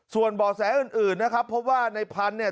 ส่วนบ่อแสอื่นนะครับเพราะว่าในพันธุ์เนี่ย